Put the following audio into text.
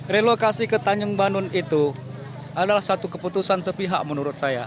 relokasi ke tanjung banun itu adalah satu keputusan sepihak menurut saya